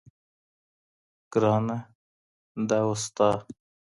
ګرانه !دا اوس ستا